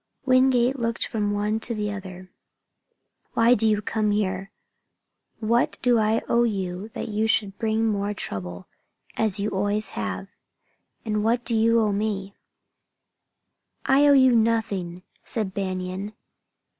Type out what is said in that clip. Wingate looked from one to the other. "Why do you come here? What do I owe you that you should bring more trouble, as you always have? And what do you owe me?" "I owe you nothing!" said Banion.